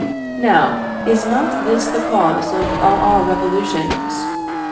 Now, is not this the cause of all our revolutions?